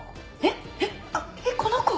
えっえっこの子？